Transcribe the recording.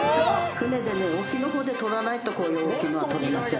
船でね、沖のほうで取らないとこういう大きいのは取れません。